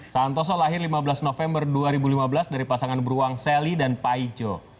santoso lahir lima belas november dua ribu lima belas dari pasangan beruang sally dan paijo